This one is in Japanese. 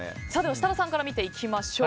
設楽さんから見ていきましょう。